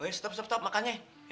uih stop stop makannya